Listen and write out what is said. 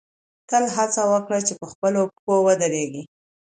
تل هڅه وکړئ چې په خپلو پښو ودرېږئ.